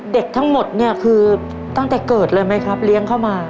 เด็กทั้งหมดเนี่ยคือตั้งแต่เกิดเลยไหมครับเลี้ยงเข้ามา